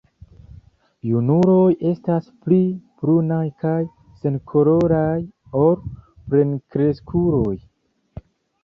Junuloj estas pli brunaj kaj senkoloraj ol plenkreskuloj.